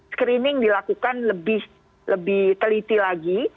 screening dilakukan lebih teliti lagi